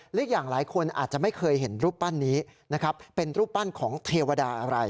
อีกอย่างหลายคนอาจจะไม่เคยเห็นรูปปั้นนี้นะครับเป็นรูปปั้นของเทวดาอะไร